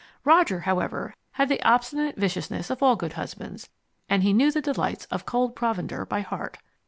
Roger, however, had the obstinate viciousness of all good husbands, and he knew the delights of cold provender by heart.